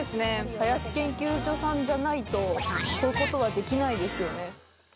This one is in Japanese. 林研究所さんじゃないとこういうことはできないですよね。